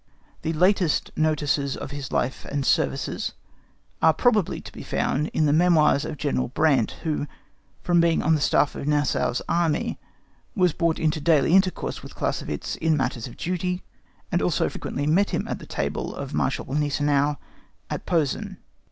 The latest notices of his life and services are probably to be found in the memoirs of General Brandt, who, from being on the staff of Gneisenau's army, was brought into daily intercourse with Clausewitz in matters of duty, and also frequently met him at the table of Marshal Gneisenau, at Posen.